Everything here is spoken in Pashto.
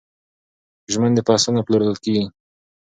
ژمنې په اسانه پلورل کېږي.